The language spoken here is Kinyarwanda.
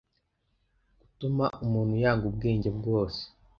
gutuma umuntu yanga ubwenge bwose